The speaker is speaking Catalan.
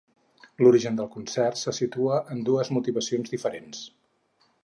L'origen del concert se situa en dues motivacions diferents.